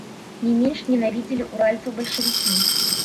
Не менш ненавідзелі ўральцаў бальшавікі.